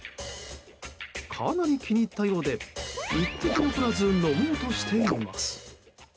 かなり気に入ったようで一滴残らず飲もうとしています。